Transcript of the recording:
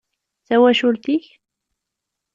D tawacult-ik?